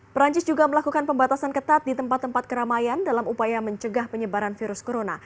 perancis juga melakukan pembatasan ketat di tempat tempat keramaian dalam upaya mencegah penyebaran virus corona